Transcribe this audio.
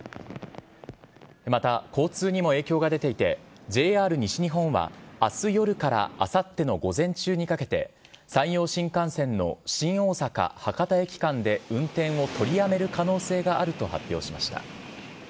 また、交通にも影響が出ていて、ＪＲ西日本はあす夜からあさっての午前中にかけて、山陽新幹線の新大阪・博多駅間で運転を取りやめる可能性があると発表しました。